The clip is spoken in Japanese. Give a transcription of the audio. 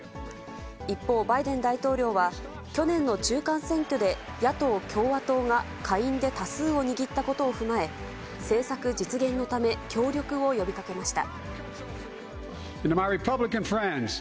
一方、バイデン大統領は、去年の中間選挙で、野党・共和党が下院で多数を握ったことを踏まえ、政策実現のため、強力を呼びかけました。